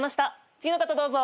次の方どうぞ。